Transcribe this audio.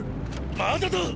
まだだっ！